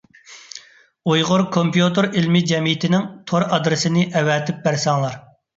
ئۇيغۇر كومپيۇتېر ئىلمى جەمئىيىتىنىڭ تور ئادرېسىنى ئەۋەتىپ بەرسەڭلار.